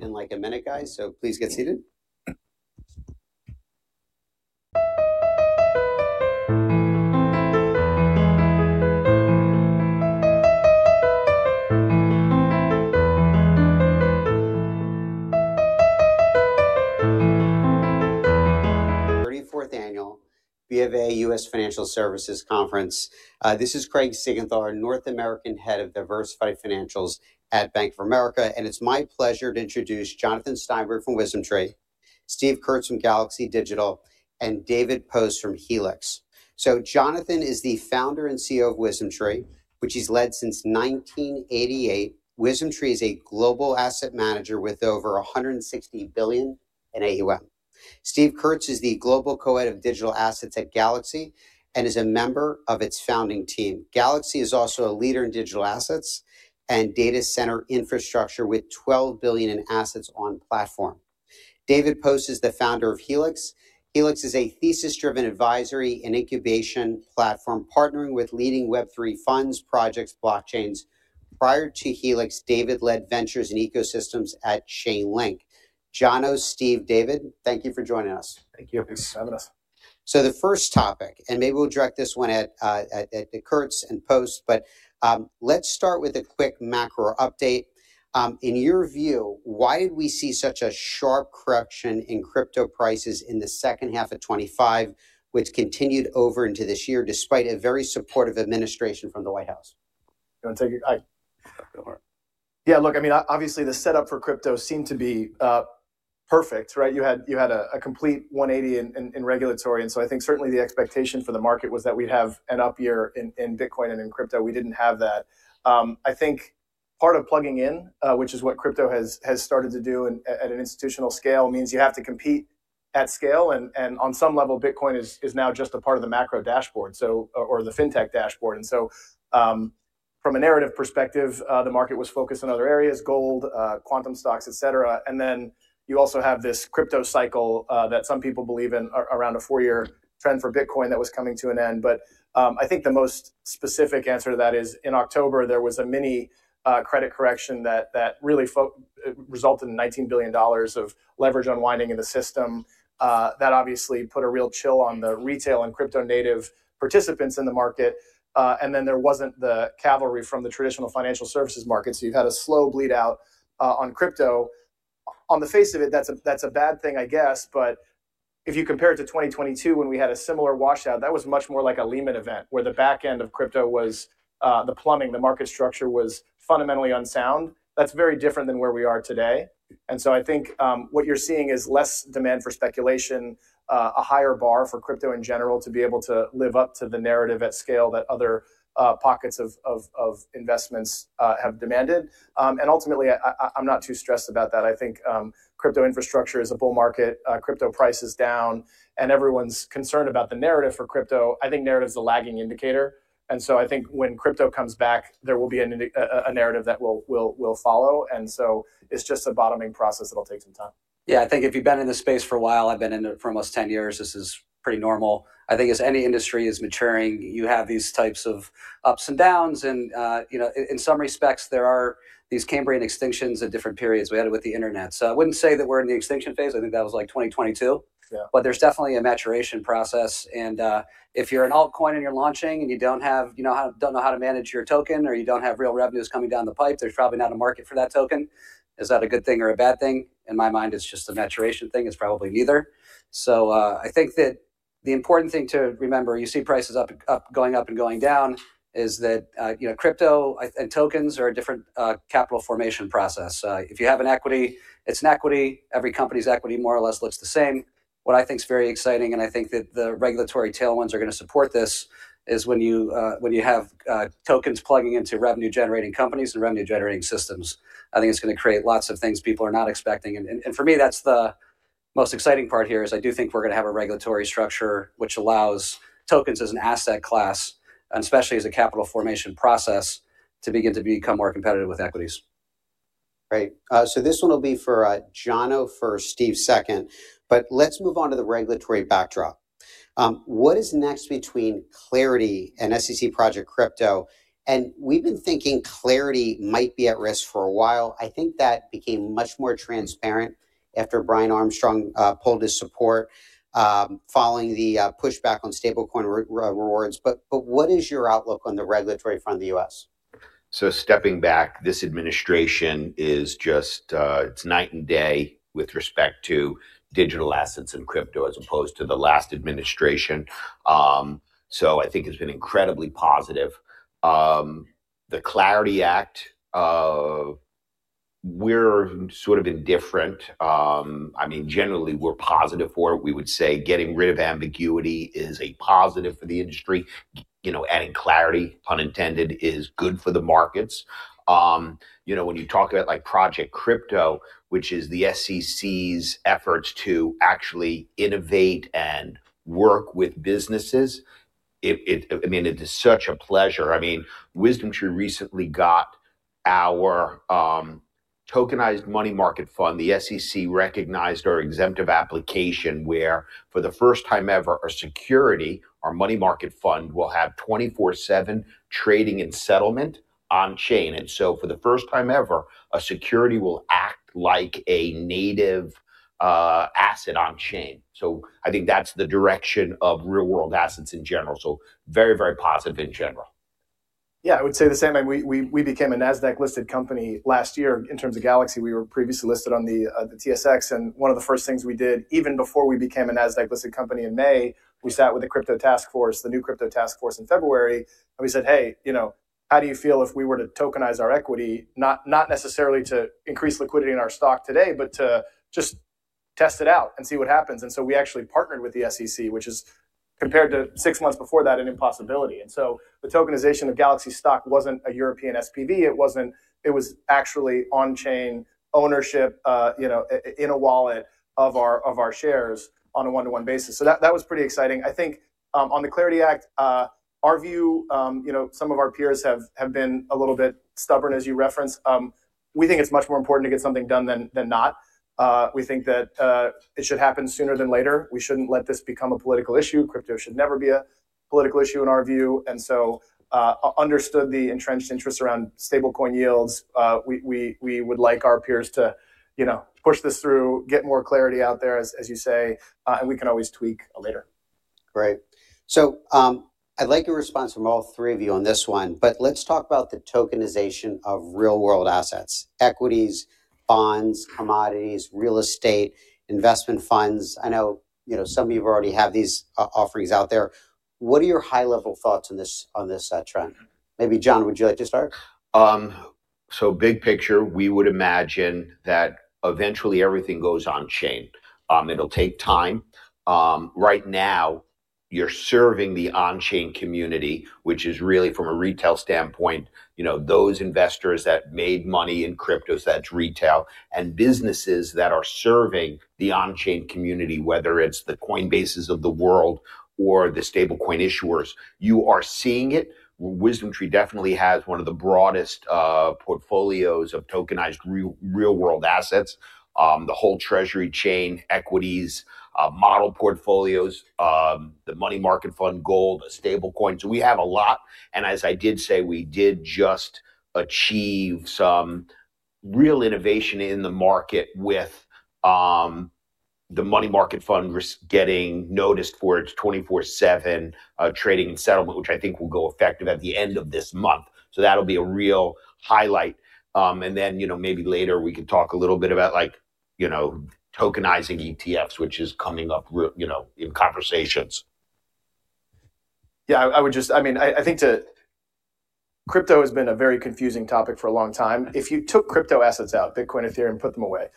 In like a minute, guys, so please get seated. 34th Annual BofA U.S. Financial Services Conference. This is Craig Siegenthaler, North American Head of Diversified Financials at Bank of America, and it's my pleasure to introduce Jonathan Steinberg from WisdomTree, Steve Kurz from Galaxy Digital, and David Post from Helix. So Jonathan is the founder and CEO of WisdomTree, which he's led since 1988. WisdomTree is a global asset manager with over $160 billion in AUM. Steve Kurz is the global co-head of digital assets at Galaxy and is a member of its founding team. Galaxy is also a leader in digital assets and data center infrastructure with $12 billion in assets on platform. David Post is the founder of Helix. Helix is a thesis-driven advisory and incubation platform partnering with leading Web3 funds, projects, blockchains. Prior to Helix, David led ventures and ecosystems at Chainlink. Jono, Steve, David, thank you for joining us. Thank you. Thanks for having us. So the first topic, and maybe we'll direct this one at Kurz and Post, but let's start with a quick macro update. In your view, why did we see such a sharp correction in crypto prices in the second half of 2025, which continued over into this year despite a very supportive administration from the White House? Yeah, look, I mean, obviously the setup for crypto seemed to be perfect, right? You had a complete 180 in regulatory. And so I think certainly the expectation for the market was that we'd have an up year in Bitcoin and in crypto. We didn't have that. I think part of plugging in, which is what crypto has started to do at an institutional scale, means you have to compete at scale. And on some level, Bitcoin is now just a part of the macro dashboard, or the fintech dashboard. And so from a narrative perspective, the market was focused on other areas: gold, quantum stocks, etc. And then you also have this crypto cycle that some people believe in, around a four-year trend for Bitcoin that was coming to an end. But I think the most specific answer to that is in October there was a mini credit correction that really resulted in $19 billion of leverage unwinding in the system. That obviously put a real chill on the retail and crypto-native participants in the market. And then there wasn't the cavalry from the traditional financial services market. So you've had a slow bleed-out on crypto. On the face of it, that's a bad thing, I guess. But if you compare it to 2022 when we had a similar washout, that was much more like a Lehman event, where the back end of crypto was the plumbing, the market structure was fundamentally unsound. That's very different than where we are today. And so I think what you're seeing is less demand for speculation, a higher bar for crypto in general to be able to live up to the narrative at scale that other pockets of investments have demanded. And ultimately, I'm not too stressed about that. I think crypto infrastructure is a bull market, crypto price is down, and everyone's concerned about the narrative for crypto. I think narrative is the lagging indicator. And so I think when crypto comes back, there will be a narrative that will follow. And so it's just a bottoming process that'll take some time. Yeah, I think if you've been in this space for a while, I've been in it for almost 10 years, this is pretty normal. I think as any industry is maturing, you have these types of ups and downs. In some respects, there are these Cambrian extinctions at different periods. We had it with the internet. I wouldn't say that we're in the extinction phase. I think that was like 2022. There's definitely a maturation process. If you're an altcoin and you're launching and you don't know how to manage your token or you don't have real revenues coming down the pipe, there's probably not a market for that token. Is that a good thing or a bad thing? In my mind, it's just a maturation thing. It's probably neither. So I think that the important thing to remember, you see prices going up and going down, is that crypto and tokens are a different capital formation process. If you have an equity, it's an equity. Every company's equity more or less looks the same. What I think's very exciting, and I think that the regulatory tailwinds are going to support this, is when you have tokens plugging into revenue-generating companies and revenue-generating systems, I think it's going to create lots of things people are not expecting. And for me, that's the most exciting part here, is I do think we're going to have a regulatory structure which allows tokens as an asset class, and especially as a capital formation process, to begin to become more competitive with equities. Right. So this one will be for Jono, for Steve's second. But let's move on to the regulatory backdrop. What is next between Clarity and SEC Project Crypto? And we've been thinking Clarity might be at risk for a while. I think that became much more transparent after Brian Armstrong pulled his support following the pushback on stablecoin rewards. But what is your outlook on the regulatory front in the U.S.? So stepping back, this administration is just it's night and day with respect to digital assets and crypto as opposed to the last administration. So I think it's been incredibly positive. The Clarity Act, we're sort of indifferent. I mean, generally, we're positive for it. We would say getting rid of ambiguity is a positive for the industry. Adding Clarity, pun intended, is good for the markets. When you talk about Project Crypto, which is the SEC's efforts to actually innovate and work with businesses, I mean, it is such a pleasure. I mean, WisdomTree recently got our tokenized money market fund. The SEC recognized our exemptive application where, for the first time ever, our security, our money market fund, will have 24/7 trading and settlement on chain. And so for the first time ever, a security will act like a native asset on chain. So I think that's the direction of real-world assets in general. So very, very positive in general. Yeah, I would say the same thing. We became a Nasdaq-listed company last year. In terms of Galaxy, we were previously listed on the TSX. And one of the first things we did, even before we became a Nasdaq-listed company in May, we sat with the crypto task force, the new crypto task force, in February. And we said, hey, you know how do you feel if we were to tokenize our equity, not necessarily to increase liquidity in our stock today, but to just test it out and see what happens? And so we actually partnered with the SEC, which is, compared to six months before that, an impossibility. And so the tokenization of Galaxy's stock wasn't a European SPV. It was actually on-chain ownership in a wallet of our shares on a one-to-one basis. So that was pretty exciting. I think on the Clarity Act, our view, some of our peers have been a little bit stubborn, as you referenced, we think it's much more important to get something done than not. We think that it should happen sooner than later. We shouldn't let this become a political issue. Crypto should never be a political issue in our view. And so understood the entrenched interest around stablecoin yields, we would like our peers to push this through, get more Clarity out there, as you say, and we can always tweak later. Great. So I'd like your response from all three of you on this one. But let's talk about the tokenization of real-world assets: equities, bonds, commodities, real estate, investment funds. I know some of you already have these offerings out there. What are your high-level thoughts on this trend? Maybe, John, would you like to start? So big picture, we would imagine that eventually everything goes on-chain. It'll take time. Right now, you're serving the on-chain community, which is really, from a retail standpoint, those investors that made money in crypto, so that's retail, and businesses that are serving the on-chain community, whether it's the Coinbases of the world or the stablecoin issuers. You are seeing it. WisdomTree definitely has one of the broadest portfolios of tokenized real-world assets: the whole treasury chain, equities, model portfolios, the money market fund, gold, stablecoins. So we have a lot. And as I did say, we did just achieve some real innovation in the market with the money market fund getting noticed for its 24/7 trading and settlement, which I think will go effective at the end of this month. So that'll be a real highlight. And then maybe later we could talk a little bit about tokenizing ETFs, which is coming up in conversations. Yeah, I mean, I think crypto has been a very confusing topic for a long time. If you took crypto assets out, Bitcoin, Ethereum, put them away,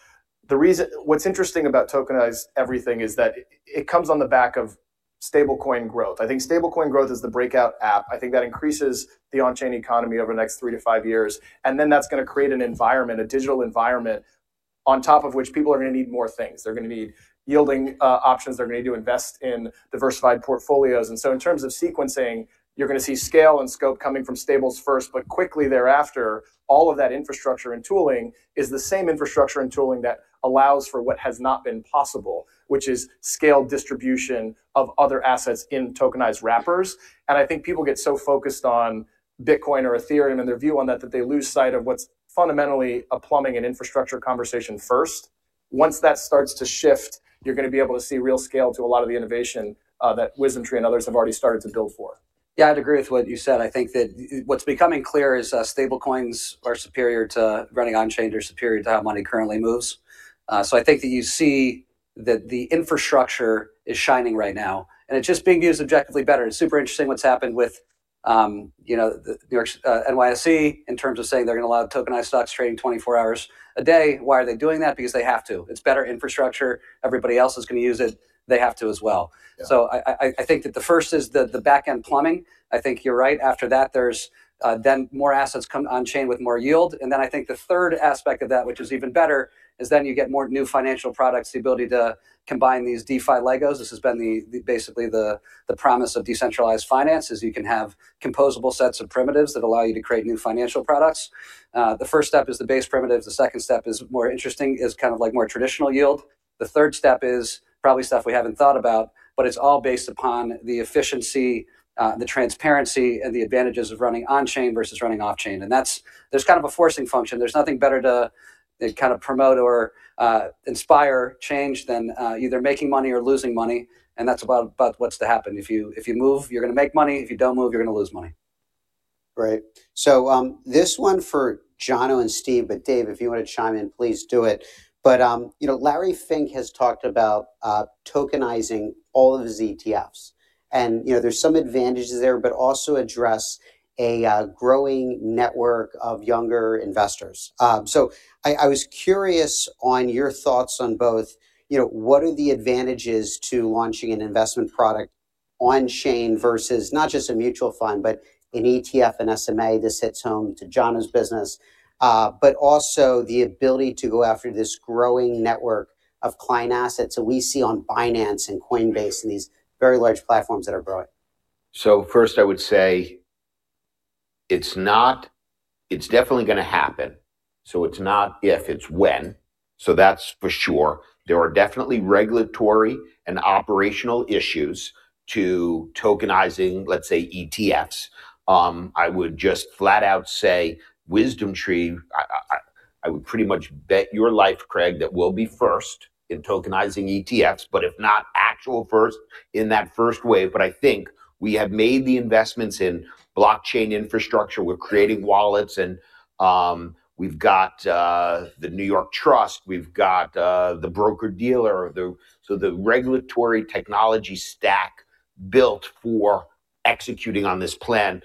what's interesting about tokenized everything is that it comes on the back of stablecoin growth. I think stablecoin growth is the breakout app. I think that increases the on-chain economy over the next 3-5 years. And then that's going to create an environment, a digital environment, on top of which people are going to need more things. They're going to need yielding options. They're going to need to invest in diversified portfolios. And so in terms of sequencing, you're going to see scale and scope coming from stables first. Quickly thereafter, all of that infrastructure and tooling is the same infrastructure and tooling that allows for what has not been possible, which is scaled distribution of other assets in tokenized wrappers. I think people get so focused on Bitcoin or Ethereum and their view on that that they lose sight of what's fundamentally a plumbing and infrastructure conversation first. Once that starts to shift, you're going to be able to see real scale to a lot of the innovation that WisdomTree and others have already started to build for. Yeah, I'd agree with what you said. I think that what's becoming clear is stablecoins are superior to running on-chain or superior to how money currently moves. So I think that you see that the infrastructure is shining right now. And it's just being used objectively better. It's super interesting what's happened with NYSE in terms of saying they're going to allow tokenized stocks trading 24 hours a day. Why are they doing that? Because they have to. It's better infrastructure. Everybody else is going to use it. They have to as well. So I think that the first is the back end plumbing. I think you're right. After that, there's then more assets come on-chain with more yield. And then I think the third aspect of that, which is even better, is then you get more new financial products, the ability to combine these DeFi Legos. This has been basically the promise of decentralized finance, is you can have composable sets of primitives that allow you to create new financial products. The first step is the base primitives. The second step is more interesting, is kind of like more traditional yield. The third step is probably stuff we haven't thought about, but it's all based upon the efficiency, the transparency, and the advantages of running on-chain versus running off-chain. There's kind of a forcing function. There's nothing better to kind of promote or inspire change than either making money or losing money. That's about what's to happen. If you move, you're going to make money. If you don't move, you're going to lose money. Right. So this one for Jono and Steve. But Dave, if you want to chime in, please do it. But Larry Fink has talked about tokenizing all of his ETFs. And there's some advantages there, but also address a growing network of younger investors. So I was curious on your thoughts on both, what are the advantages to launching an investment product on-chain versus not just a mutual fund, but an ETF, an SMA? This hits home to Jono's business, but also the ability to go after this growing network of client assets that we see on Binance and Coinbase and these very large platforms that are growing. So first, I would say it's definitely going to happen. So it's not if, it's when. So that's for sure. There are definitely regulatory and operational issues to tokenizing, let's say, ETFs. I would just flat out say WisdomTree, I would pretty much bet your life, Craig, that will be first in tokenizing ETFs, but if not actual first in that first wave. But I think we have made the investments in blockchain infrastructure. We're creating wallets. And we've got the New York Trust. We've got the broker-dealer, so the regulatory technology stack built for executing on this plan.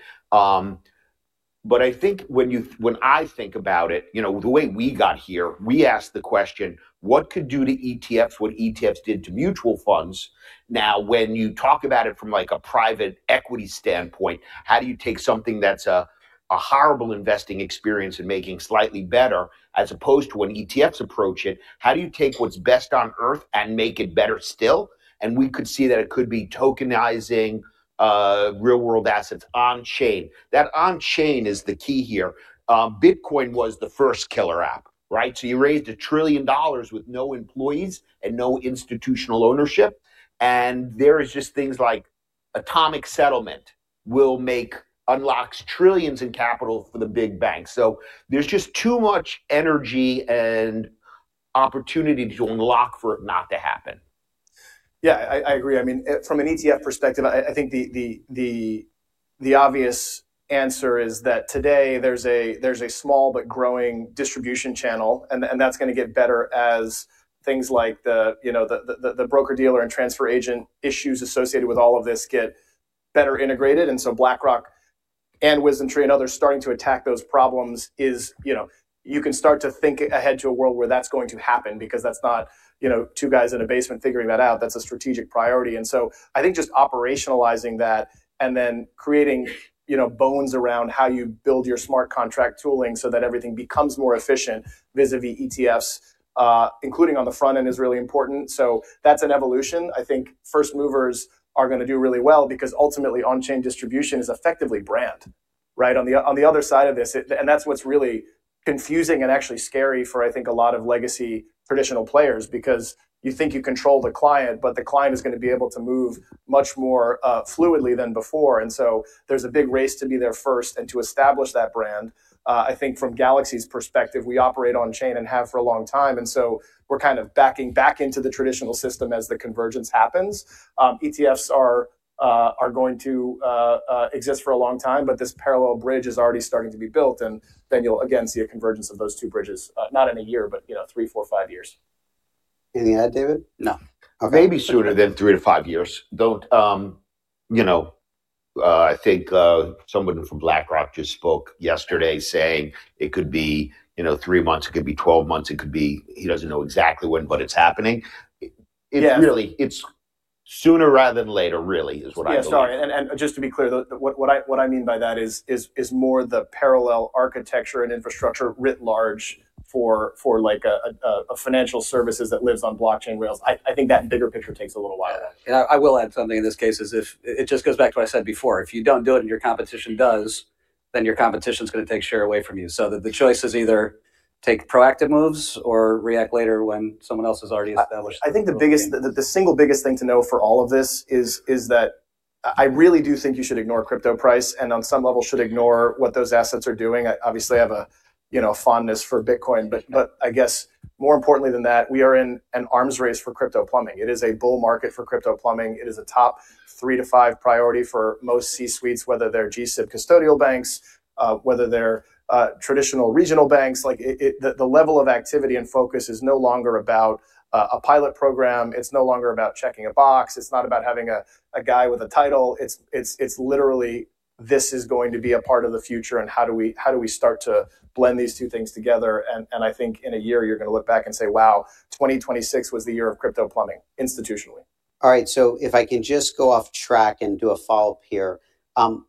But I think when I think about it, the way we got here, we asked the question, what could do to ETFs what ETFs did to mutual funds? Now, when you talk about it from a private equity standpoint, how do you take something that's a horrible investing experience and making slightly better, as opposed to when ETFs approach it, how do you take what's best on Earth and make it better still? And we could see that it could be tokenizing real-world assets on-chain. That on-chain is the key here. Bitcoin was the first killer app, right? So you raised $1 trillion with no employees and no institutional ownership. And there are just things like atomic settlement will unlock $ trillions in capital for the big banks. So there's just too much energy and opportunity to unlock for it not to happen. Yeah, I agree. I mean, from an ETF perspective, I think the obvious answer is that today there's a small but growing distribution channel. And that's going to get better as things like the broker-dealer and transfer agent issues associated with all of this get better integrated. And so BlackRock and WisdomTree and others starting to attack those problems is you can start to think ahead to a world where that's going to happen because that's not two guys in a basement figuring that out. That's a strategic priority. And so I think just operationalizing that and then creating bones around how you build your smart contract tooling so that everything becomes more efficient vis-à-vis ETFs, including on the front end, is really important. So that's an evolution. I think first movers are going to do really well because ultimately, on-chain distribution is effectively brand, right? On the other side of this, and that's what's really confusing and actually scary for, I think, a lot of legacy traditional players because you think you control the client, but the client is going to be able to move much more fluidly than before. And so there's a big race to be there first and to establish that brand. I think from Galaxy's perspective, we operate on-chain and have for a long time. And so we're kind of backing back into the traditional system as the convergence happens. ETFs are going to exist for a long time. But this parallel bridge is already starting to be built. And then you'll, again, see a convergence of those two bridges, not in a year, but three, four, five years. Any add, David? No. Maybe sooner than 3-5 years. I think someone from BlackRock just spoke yesterday saying it could be 3 months. It could be 12 months. It could be he doesn't know exactly when, but it's happening. It's sooner rather than later, really, is what I believe. Yeah, sorry. Just to be clear, what I mean by that is more the parallel architecture and infrastructure writ large for financial services that lives on blockchain rails. I think that bigger picture takes a little while. I will add something in this case. It just goes back to what I said before. If you don't do it and your competition does, then your competition's going to take share away from you. The choice is either take proactive moves or react later when someone else has already established. I think the single biggest thing to know for all of this is that I really do think you should ignore crypto price and on some level should ignore what those assets are doing. Obviously, I have a fondness for Bitcoin. But I guess more importantly than that, we are in an arms race for crypto plumbing. It is a bull market for crypto plumbing. It is a top 3-5 priority for most C-suites, whether they're G-SIB custodial banks, whether they're traditional regional banks. The level of activity and focus is no longer about a pilot program. It's no longer about checking a box. It's not about having a guy with a title. It's literally, this is going to be a part of the future. And how do we start to blend these two things together? I think in a year, you're going to look back and say, wow, 2026 was the year of crypto plumbing institutionally. All right. So if I can just go off track and do a follow-up here,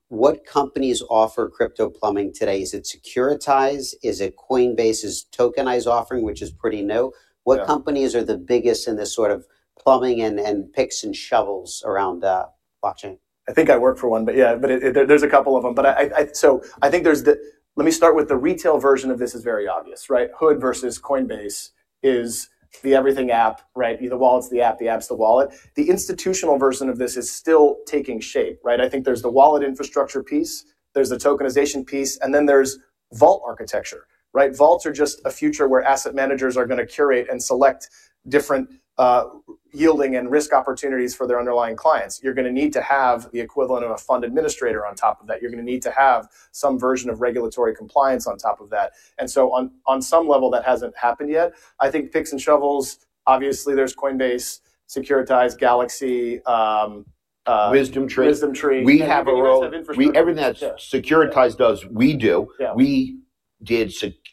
what companies offer crypto plumbing today? Is it Securitize? Is it Coinbase's tokenized offering, which is pretty new? What companies are the biggest in this sort of plumbing and picks and shovels around blockchain? I think I work for one, but yeah, there's a couple of them. So I think there's the—let me start with the retail version of this—is very obvious, right? Robinhood versus Coinbase is the everything app, right? The wallet's the app. The app's the wallet. The institutional version of this is still taking shape, right? I think there's the wallet infrastructure piece. There's the tokenization piece. And then there's vault architecture, right? Vaults are just a future where asset managers are going to curate and select different yielding and risk opportunities for their underlying clients. You're going to need to have the equivalent of a fund administrator on top of that. You're going to need to have some version of regulatory compliance on top of that. And so on some level, that hasn't happened yet. I think picks and shovels, obviously, there's Coinbase, Securitize, Galaxy. Wisdom Tree. WisdomTree. We have a role. Everything that Securitize does, we do. We did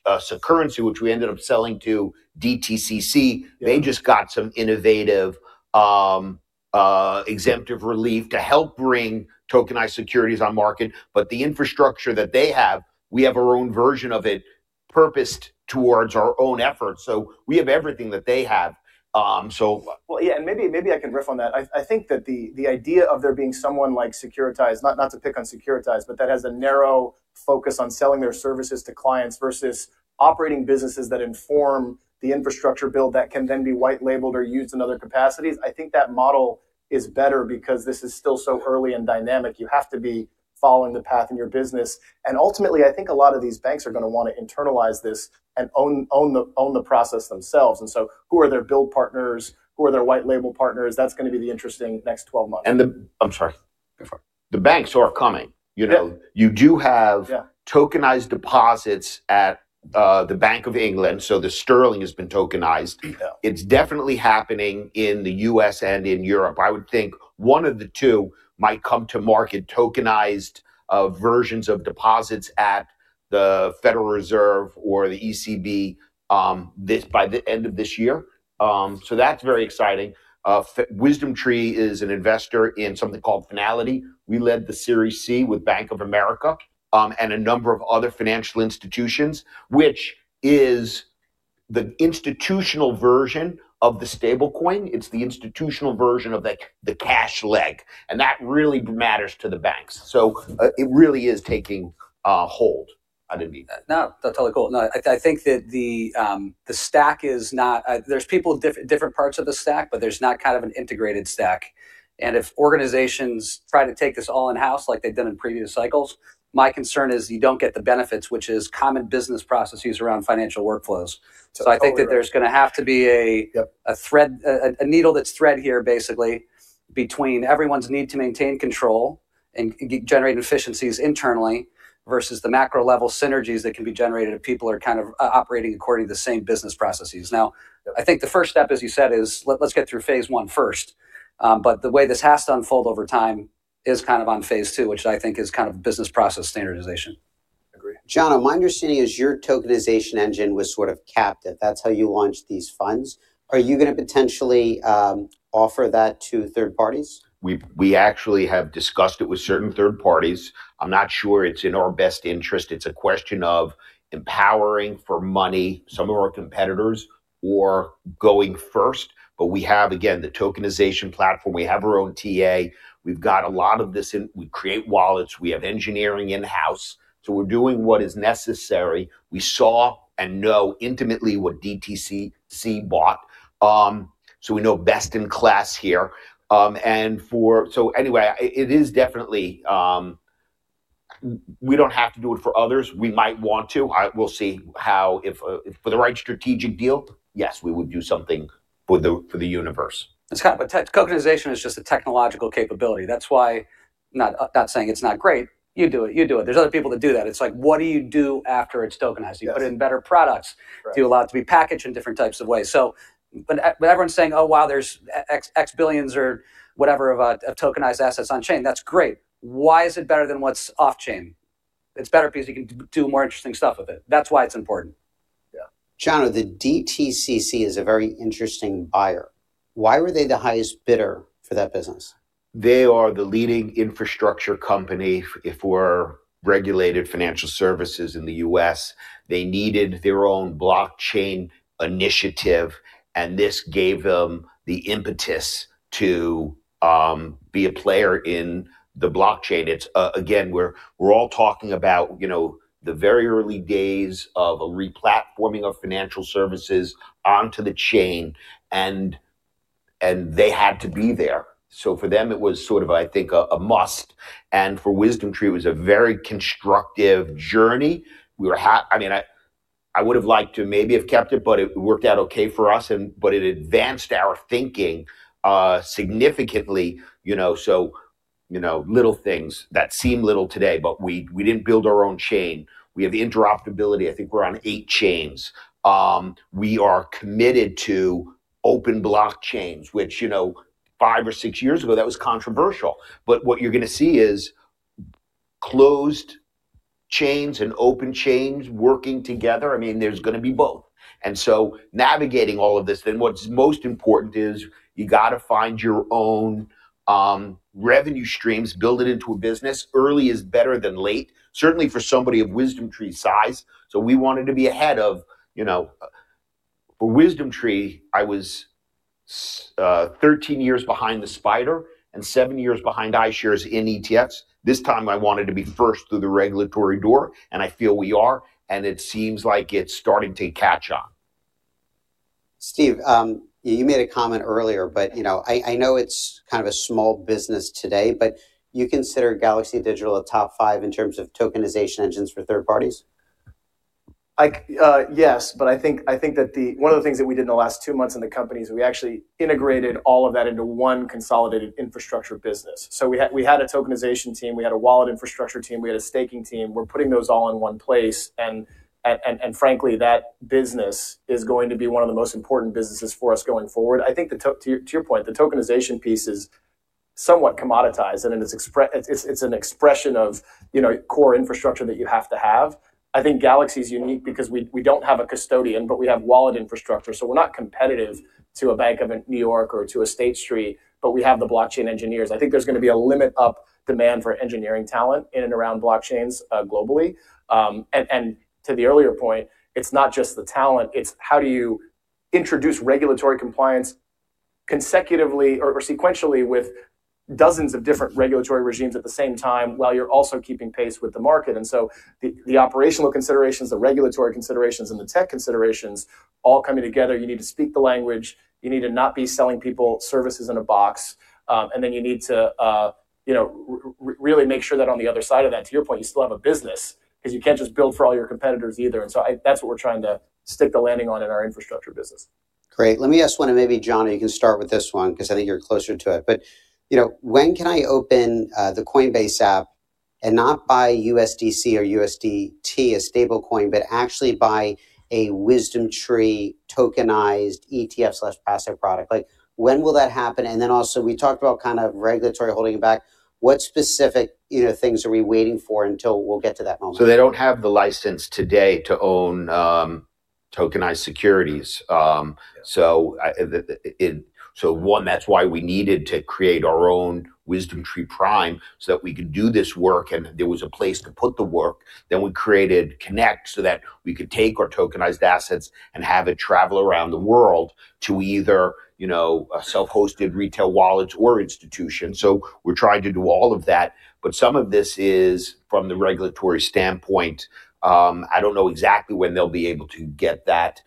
Securrency, which we ended up selling to DTCC. They just got some innovative exemptive relief to help bring tokenized securities on market. But the infrastructure that they have, we have our own version of it purposed towards our own efforts. So we have everything that they have. Well, yeah, and maybe I can riff on that. I think that the idea of there being someone like Securitize, not to pick on Securitize, but that has a narrow focus on selling their services to clients versus operating businesses that inform the infrastructure build that can then be white-labeled or used in other capacities. I think that model is better because this is still so early and dynamic. You have to be following the path in your business. Ultimately, I think a lot of these banks are going to want to internalize this and own the process themselves. So who are their build partners? Who are their white-label partners? That's going to be the interesting next 12 months. And I'm sorry. Go for it. The banks are coming. You do have tokenized deposits at the Bank of England. So the sterling has been tokenized. It's definitely happening in the U.S. and in Europe. I would think one of the two might come to market, tokenized versions of deposits at the Federal Reserve or the ECB by the end of this year. So that's very exciting. WisdomTree is an investor in something called Fnality. We led the Series C with Bank of America and a number of other financial institutions, which is the institutional version of the stablecoin. It's the institutional version of the cash leg. And that really matters to the banks. So it really is taking hold underneath that. No, that's totally cool. No, I think that the stack is not. There's people in different parts of the stack, but there's not kind of an integrated stack. If organizations try to take this all in-house like they've done in previous cycles, my concern is you don't get the benefits, which is common business processes around financial workflows. So I think that there's going to have to be a needle that's threaded here, basically, between everyone's need to maintain control and generate efficiencies internally versus the macro-level synergies that can be generated if people are kind of operating according to the same business processes. Now, I think the first step, as you said, is let's get through phase one first. The way this has to unfold over time is kind of on phase two, which I think is kind of business process standardization. Agree. Jono, my understanding is your tokenization engine was sort of capped at that. That's how you launched these funds. Are you going to potentially offer that to third parties? We actually have discussed it with certain third parties. I'm not sure it's in our best interest. It's a question of empowering for money, some of our competitors, or going first. But we have, again, the tokenization platform. We have our own TA. We've got a lot of this in we create wallets. We have engineering in-house. So we're doing what is necessary. We saw and know intimately what DTCC bought. So we know best in class here. And so anyway, it is definitely we don't have to do it for others. We might want to. We'll see how. For the right strategic deal, yes, we would do something for the universe. But tokenization is just a technological capability. That's why not saying it's not great. You do it. You do it. There's other people that do that. It's like, what do you do after it's tokenized? You put in better products. Do you allow it to be packaged in different types of ways? But everyone's saying, oh, wow, there's X billions or whatever of tokenized assets on-chain. That's great. Why is it better than what's off-chain? It's better because you can do more interesting stuff with it. That's why it's important. Yeah. Jono, the DTCC is a very interesting buyer. Why were they the highest bidder for that business? They are the leading infrastructure company for regulated financial services in the U.S. They needed their own blockchain initiative. This gave them the impetus to be a player in the blockchain. Again, we're all talking about the very early days of a replatforming of financial services onto the chain. They had to be there. For them, it was sort of, I think, a must. For WisdomTree, it was a very constructive journey. I mean, I would have liked to maybe have kept it, but it worked out OK for us. It advanced our thinking significantly. Little things that seem little today, but we didn't build our own chain. We have interoperability. I think we're on eight chains. We are committed to open blockchains, which five or six years ago, that was controversial. But what you're going to see is closed chains and open chains working together. I mean, there's going to be both. And so navigating all of this, then what's most important is you got to find your own revenue streams, build it into a business. Early is better than late, certainly for somebody of WisdomTree's size. So we wanted to be ahead of for WisdomTree, I was 13 years behind the SPDR and 7 years behind iShares in ETFs. This time, I wanted to be first through the regulatory door. And I feel we are. And it seems like it's starting to catch on. Steve, you made a comment earlier, but I know it's kind of a small business today. But you consider Galaxy Digital a top five in terms of tokenization engines for third parties? Yes. But I think that one of the things that we did in the last two months in the company is we actually integrated all of that into one consolidated infrastructure business. So we had a tokenization team. We had a wallet infrastructure team. We had a staking team. We're putting those all in one place. And frankly, that business is going to be one of the most important businesses for us going forward. I think to your point, the tokenization piece is somewhat commoditized. And it's an expression of core infrastructure that you have to have. I think Galaxy is unique because we don't have a custodian, but we have wallet infrastructure. So we're not competitive to a Bank of New York or to a State Street. But we have the blockchain engineers. I think there's going to be a limit up demand for engineering talent in and around blockchains globally. And to the earlier point, it's not just the talent. It's how do you introduce regulatory compliance consecutively or sequentially with dozens of different regulatory regimes at the same time while you're also keeping pace with the market? And so the operational considerations, the regulatory considerations, and the tech considerations all coming together, you need to speak the language. You need to not be selling people services in a box. And then you need to really make sure that on the other side of that, to your point, you still have a business because you can't just build for all your competitors either. And so that's what we're trying to stick the landing on in our infrastructure business. Great. Let me ask one and maybe, Jono, you can start with this one because I think you're closer to it. But when can I open the Coinbase app and not buy USDC or USDT, a stablecoin, but actually buy a WisdomTree tokenized ETF/passive product? When will that happen? And then also, we talked about kind of regulatory holding it back. What specific things are we waiting for until we'll get to that moment? So they don't have the license today to own tokenized securities. So one, that's why we needed to create our own WisdomTree Prime so that we could do this work. And there was a place to put the work. Then we created Connect so that we could take our tokenized assets and have it travel around the world to either self-hosted retail wallets or institutions. So we're trying to do all of that. But some of this is from the regulatory standpoint. I don't know exactly when they'll be able to get that.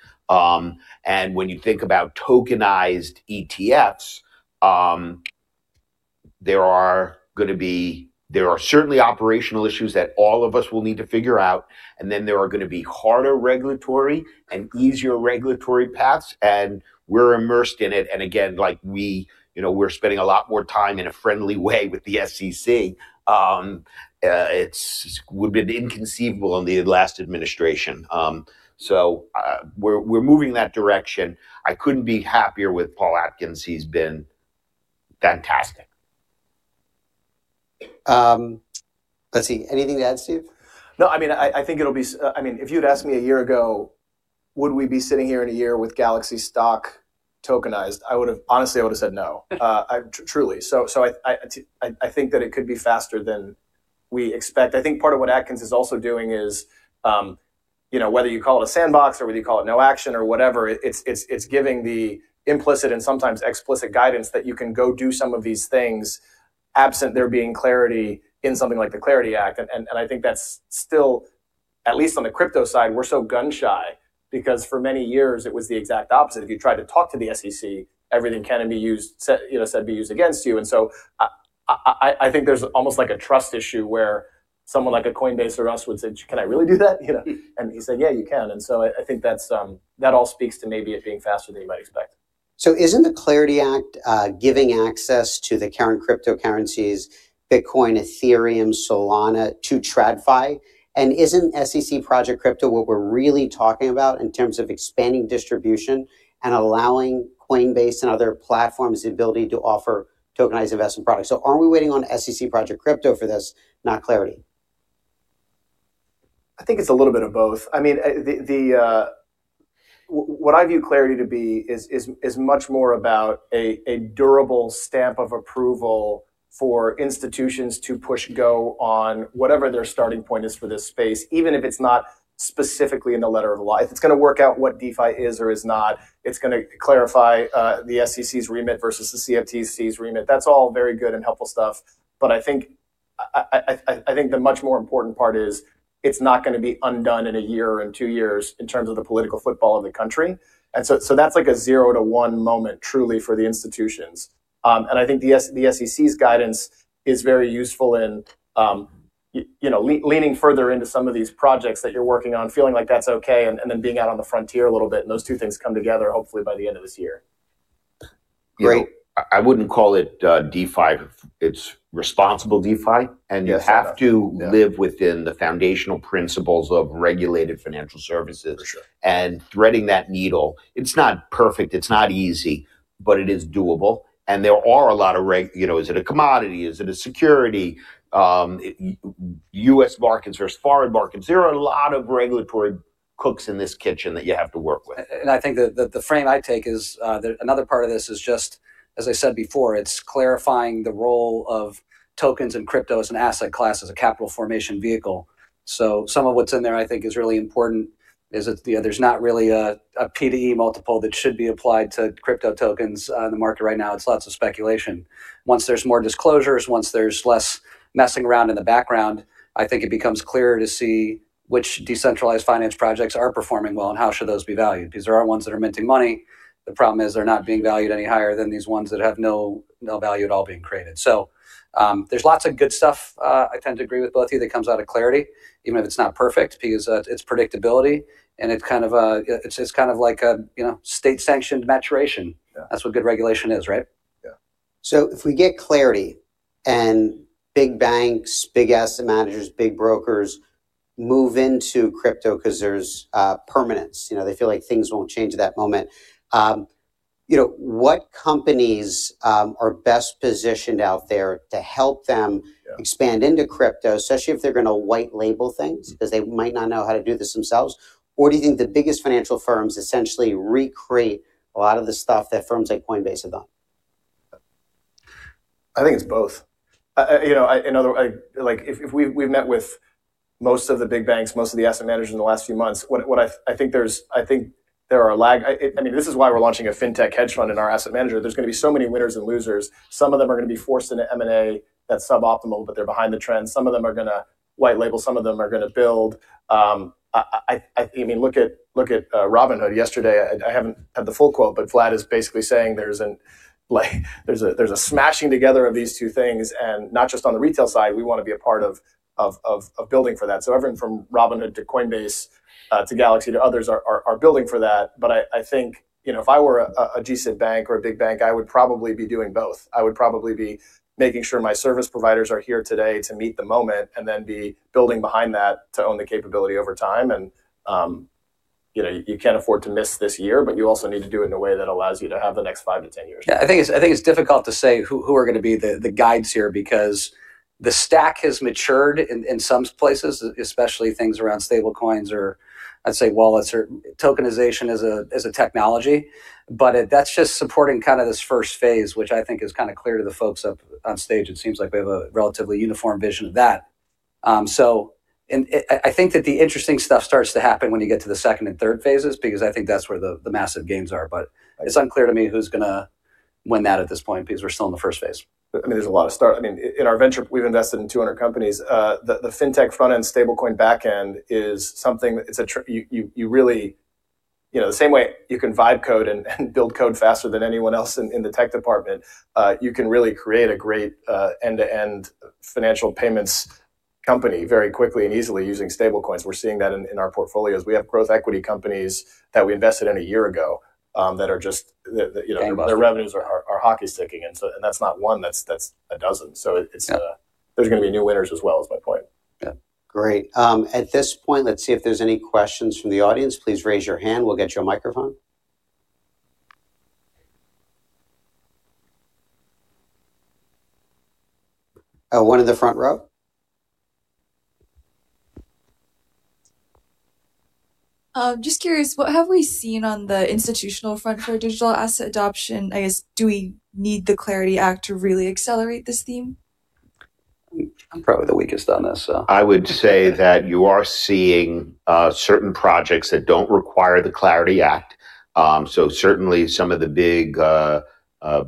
And when you think about tokenized ETFs, there are going to be certainly operational issues that all of us will need to figure out. And then there are going to be harder regulatory and easier regulatory paths. And we're immersed in it. Again, we're spending a lot more time in a friendly way with the SEC. It would have been inconceivable in the last administration. We're moving that direction. I couldn't be happier with Paul Atkins. He's been fantastic. Let's see. Anything to add, Steve? No, I mean, I think it'll be. I mean, if you'd asked me a year ago, would we be sitting here in a year with Galaxy stock tokenized? Honestly, I would have said no, truly. So I think that it could be faster than we expect. I think part of what Atkins is also doing is whether you call it a sandbox or whether you call it no action or whatever, it's giving the implicit and sometimes explicit guidance that you can go do some of these things absent there being Clarity in something like the Clarity Act. And I think that's still at least on the crypto side, we're so gun shy because for many years, it was the exact opposite. If you tried to talk to the SEC, everything you said can be used against you. And so I think there's almost like a trust issue where someone like a Coinbase or us would say, can I really do that? And he said, yeah, you can. And so I think that all speaks to maybe it being faster than you might expect. So isn't the Clarity Act giving access to the current cryptocurrencies, Bitcoin, Ethereum, Solana, to TradFi? And isn't SEC Project Crypto what we're really talking about in terms of expanding distribution and allowing Coinbase and other platforms the ability to offer tokenized investment products? So aren't we waiting on SEC Project Crypto for this, not Clarity? I think it's a little bit of both. I mean, what I view Clarity to be is much more about a durable stamp of approval for institutions to push go on whatever their starting point is for this space, even if it's not specifically in the letter of law. If it's going to work out what DeFi is or is not, it's going to clarify the SEC's remit versus the CFTC's remit. That's all very good and helpful stuff. But I think the much more important part is it's not going to be undone in a year or in two years in terms of the political football of the country. And so that's like a zero to one moment, truly, for the institutions. I think the SEC's guidance is very useful in leaning further into some of these projects that you're working on, feeling like that's OK, and then being out on the frontier a little bit. Those two things come together, hopefully, by the end of this year. Great. I wouldn't call it DeFi. It's responsible DeFi. And you have to live within the foundational principles of regulated financial services and threading that needle. It's not perfect. It's not easy. But it is doable. And there are a lot of: is it a commodity? Is it a security? U.S. markets versus foreign markets. There are a lot of regulatory cooks in this kitchen that you have to work with. And I think that the frame I take is another part of this is just, as I said before, it's clarifying the role of tokens and crypto as an asset class, as a capital formation vehicle. So some of what's in there, I think, is really important is there's not really a P/E multiple that should be applied to crypto tokens in the market right now. It's lots of speculation. Once there's more disclosures, once there's less messing around in the background, I think it becomes clearer to see which decentralized finance projects are performing well and how should those be valued because there are ones that are minting money. The problem is they're not being valued any higher than these ones that have no value at all being created. So there's lots of good stuff, I tend to agree with both of you, that comes out of Clarity, even if it's not perfect because it's predictability. And it's kind of like a state-sanctioned maturation. That's what good regulation is, right? Yeah. So if we get Clarity and big banks, big asset managers, big brokers move into crypto because there's permanence, they feel like things won't change at that moment, what companies are best positioned out there to help them expand into crypto, especially if they're going to white label things because they might not know how to do this themselves? Or do you think the biggest financial firms essentially recreate a lot of the stuff that firms like Coinbase have done? I think it's both. In other words, if we've met with most of the big banks, most of the asset managers in the last few months, I think there are lags. I mean, this is why we're launching a fintech hedge fund in our asset manager. There's going to be so many winners and losers. Some of them are going to be forced into M&A that's suboptimal, but they're behind the trend. Some of them are going to white label. Some of them are going to build. I mean, look at Robinhood yesterday. I haven't had the full quote. But Vlad is basically saying there's a smashing together of these two things. And not just on the retail side, we want to be a part of building for that. So everyone from Robinhood to Coinbase to Galaxy to others are building for that. But I think if I were a GSIB bank or a big bank, I would probably be doing both. I would probably be making sure my service providers are here today to meet the moment and then be building behind that to own the capability over time. And you can't afford to miss this year. But you also need to do it in a way that allows you to have the next 5-10 years. Yeah. I think it's difficult to say who are going to be the guides here because the stack has matured in some places, especially things around stablecoins or, I'd say, wallets or tokenization as a technology. But that's just supporting kind of this first phase, which I think is kind of clear to the folks up on stage. It seems like we have a relatively uniform vision of that. So I think that the interesting stuff starts to happen when you get to the second and third phases because I think that's where the massive gains are. But it's unclear to me who's going to win that at this point because we're still in the first phase. I mean, there's a lot of startups. I mean, in our venture, we've invested in 200 companies. The fintech front end, stablecoin back end is something that you really the same way you can vibe code and build code faster than anyone else in the tech department, you can really create a great end-to-end financial payments company very quickly and easily using stablecoins. We're seeing that in our portfolios. We have growth equity companies that we invested in a year ago that are just their revenues are hockey sticking. And that's not one. That's a dozen. So there's going to be new winners as well, is my point. Yeah. Great. At this point, let's see if there's any questions from the audience. Please raise your hand. We'll get you a microphone. One in the front row? Just curious, what have we seen on the institutional front for digital asset adoption? I guess, do we need the Clarity Act to really accelerate this theme? I'm probably the weakest on this. I would say that you are seeing certain projects that don't require the Clarity Act. So certainly, some of the big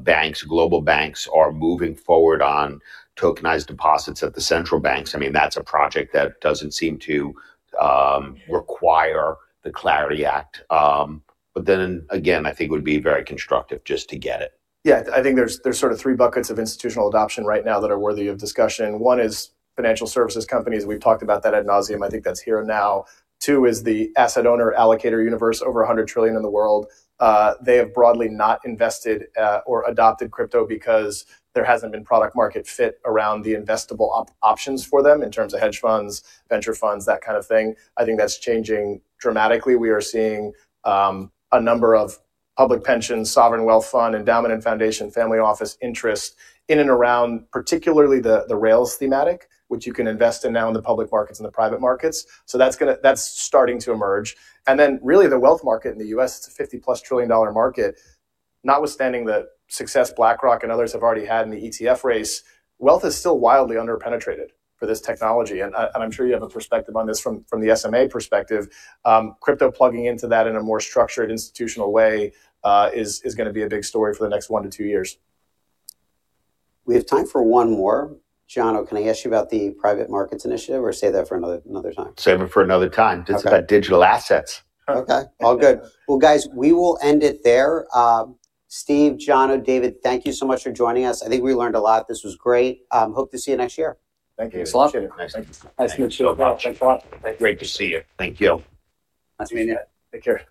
banks, global banks, are moving forward on tokenized deposits at the central banks. I mean, that's a project that doesn't seem to require the Clarity Act. But then again, I think it would be very constructive just to get it. Yeah. I think there's sort of three buckets of institutional adoption right now that are worthy of discussion. One is financial services companies. We've talked about that ad nauseam. I think that's here and now. Two is the asset owner allocator universe, over $100 trillion in the world. They have broadly not invested or adopted crypto because there hasn't been product market fit around the investable options for them in terms of hedge funds, venture funds, that kind of thing. I think that's changing dramatically. We are seeing a number of public pensions, sovereign wealth fund, endowment, and foundation, family office interest in and around particularly the rails thematic, which you can invest in now in the public markets and the private markets. So that's starting to emerge. And then really, the wealth market in the U.S., it's a $50+ trillion market. Notwithstanding the success BlackRock and others have already had in the ETF race, wealth is still wildly underpenetrated for this technology. I'm sure you have a perspective on this from the SMA perspective. Crypto plugging into that in a more structured institutional way is going to be a big story for the next 1-2 years. We have time for one more. Jono, can I ask you about the private markets initiative or save that for another time? Save it for another time. It's about digital assets. OK. All good. Well, guys, we will end it there. Steve, Jono, David, thank you so much for joining us. I think we learned a lot. This was great. Hope to see you next year. Thank you. Thanks a lot. Thanks. Nice to meet you. Thanks a lot. Great to see you. Thank you. Nice to meet you. Take care.